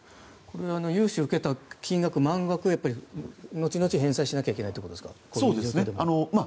融資を受けた金額、満額を後々返済しなきゃいけないってことですか。